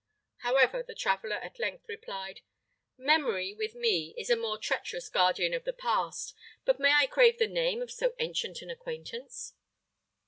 However, the traveller at length replied, "Memory, with me, is a more treacherous guardian of the past; but may I crave the name of so ancient an acquaintance?"